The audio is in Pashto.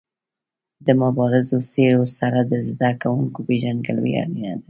د مبارزو څېرو سره د زده کوونکو پيژندګلوي اړینه ده.